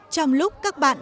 trong lúc các bạn